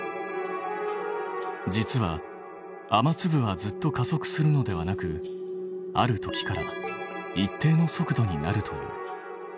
実は雨粒はずっと加速するのではなくある時から一定の速度になるという。